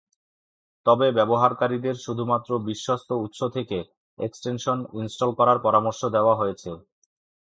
তবে ব্যবহারকারীদের শুধুমাত্র বিশ্বস্ত উৎস থেকে এক্সটেনশন ইনস্টল করার পরামর্শ দেওয়া হয়েছে।